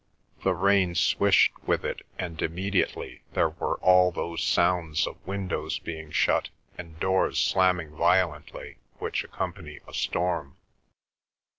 The rain swished with it, and immediately there were all those sounds of windows being shut and doors slamming violently which accompany a storm.